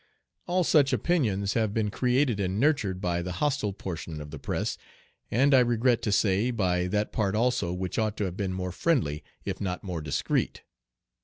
All such opinions have been created and nurtured by the hostile portion of the press, and, I regret to say, by that part also which ought to have been more friendly, if not more discreet.